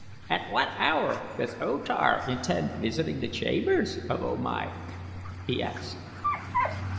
"At what hour does O Tar intend visiting the chambers of O Mai?" he asked.